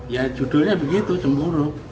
ya judulnya begitu cemburu